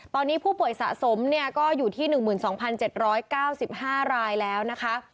ตอนนี้ผู้ป่วยสะสมเนี่ยก็อยู่ที่๑๒๗๙๕รายแล้วนะคะ